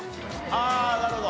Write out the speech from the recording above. ああなるほど。